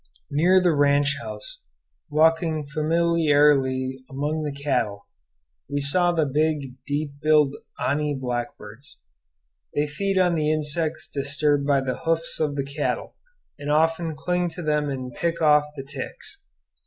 Near the ranch house, walking familiarly among the cattle, we saw the big, deep billed Ani blackbirds. They feed on the insects disturbed by the hoofs of the cattle, and often cling to them and pick off the ticks.